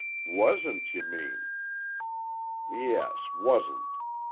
"Wasn't, you mean." "Yes, wasn't.